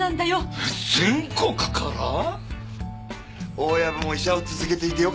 大藪も医者を続けていてよかったよ。